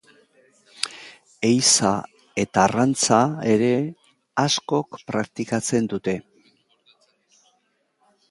Ehiza eta arrantza ere askok praktikatzen dute.